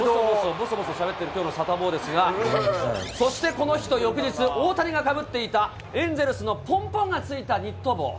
ぼそぼそしゃべってる、きょうのサタボーですが、そしてこの人、翌日大谷がかぶっていたエンゼルのポンポンがついたニット帽。